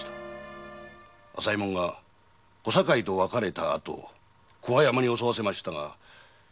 朝右衛門が小堺と別れた後桑山に襲わせましたがしくじりました。